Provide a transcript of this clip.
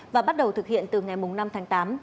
và bắt đầu thực hiện từ ngày năm tháng tám